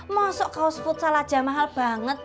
masuk kaos futsal aja mahal banget